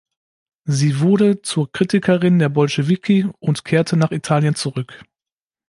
Sie wurde zur Kritikerin der Bolschewiki und kehrte nach Italien zurück.